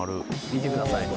「見てください」